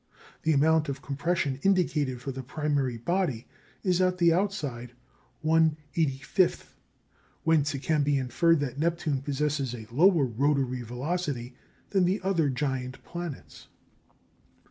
The amount of compression indicated for the primary body is, at the outside, 1/85; whence it can be inferred that Neptune possesses a lower rotatory velocity than the other giant planets.